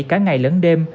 cả ngày lẫn đêm